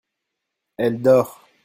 elle dort.